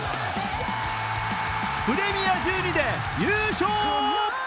プレミア１２で優勝。